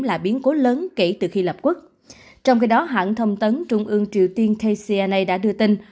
là biến cố lớn kể từ khi lập quốc trong khi đó hãng thông tấn trung ương triều tiên kcna đã đưa tin